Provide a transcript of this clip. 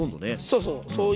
そうそう。